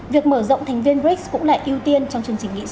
việc mở rộng thành viên brics cũng là ưu tiên trong chương trình nghị sự